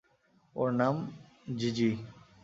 ওর নাম জিজি।